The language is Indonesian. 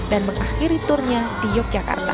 dan mengakhiri turnya di yogyakarta